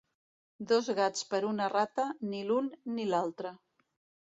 Dos gats per una rata, ni l'un ni l'altre.